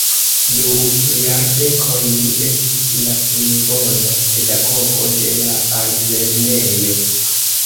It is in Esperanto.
Dum jardekoj li estis la plej bona pedagogo de la altlernejo.